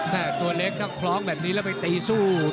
ตัวเล็กถ้าคล้องแบบนี้แล้วไปตีสู้